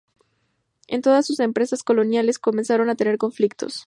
En todas sus empresas coloniales comenzaron a tener conflictos.